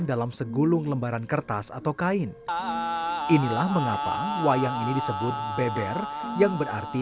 dalam segulung lembaran kertas atau kain inilah mengapa wayang ini disebut beber yang berarti